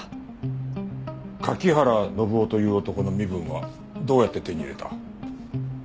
柿原伸緒という男の身分はどうやって手に入れた？